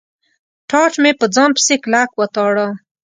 ټاټ مې په ځان پسې کلک و تاړه.